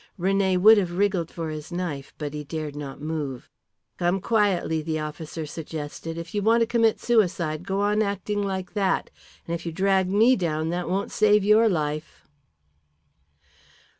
René would have wriggled for his knife, but he dared not move. "Come quietly," the officer suggested. "If you want to commit suicide go on acting like that. And if you drag me down that won't save your life."